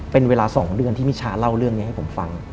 เป็นเวลา๒เดือนที่มิชาเล่าเรื่องนี้ให้ผมฟัง